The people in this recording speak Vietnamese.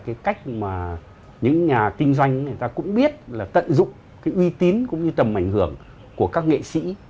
cái cách mà những nhà kinh doanh người ta cũng biết là tận dụng cái uy tín cũng như tầm ảnh hưởng của các nghệ sĩ